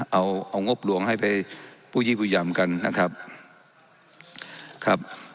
เอาเอางบหลวงให้ไปผู้ยี่ผู้หยำกันนะครับครับ